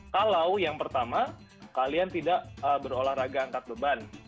kalau yang pertama kalian tidak berolahraga angkat beban